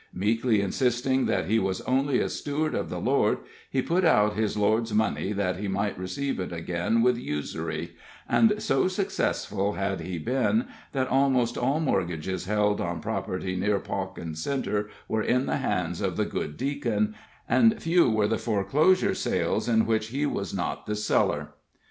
Meekly insisting that he was only a steward of the Lord, he put out his Lord's money that he might receive it again with usury, and so successful had he been that almost all mortgages held on property near Pawkin Centre were in the hands of the good Deacon, and few were the foreclosure sales in which he was not the seller.